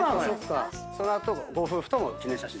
その後ご夫婦とも記念写真。